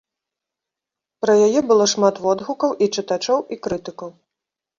Пра яе было шмат водгукаў і чытачоў, і крытыкаў.